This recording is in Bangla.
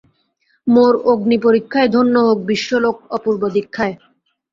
মোর অগ্নিপরীক্ষায় ধন্য হোক বিশ্বলোক অপূর্ব দীক্ষায়।